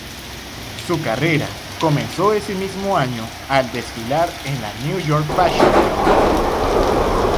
Su carrera comenzó ese mismo año al desfilar en la New York Fashion Week.